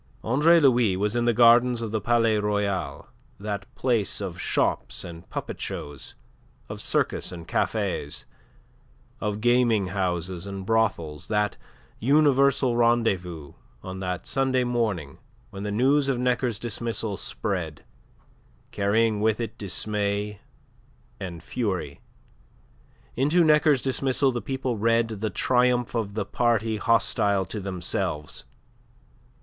Andre Louis was in the gardens of the Palais Royal, that place of shops and puppet shows, of circus and cafes, of gaming houses and brothels, that universal rendezvous, on that Sunday morning when the news of Necker's dismissal spread, carrying with it dismay and fury. Into Necker's dismissal the people read the triumph of the party hostile to themselves.